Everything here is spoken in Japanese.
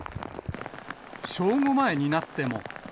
正午前になっても。